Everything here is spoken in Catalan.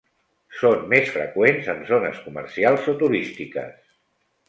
Són més freqüents en zones comercials o turístiques.